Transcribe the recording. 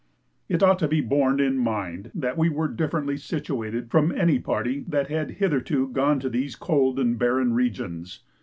It ought to be borne in mind that we were differently situated from any party that had hitherto gone to these cold and barren regions.